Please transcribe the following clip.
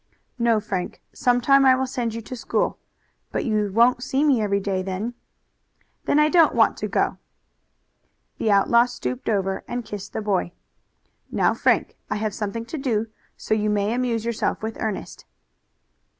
"No, Frank. Some time I will send you to school. But you won't see me every day then." "Then I don't want to go." The outlaw stooped over and kissed the boy. "Now, Frank, I have something to do, so you may amuse yourself with Ernest."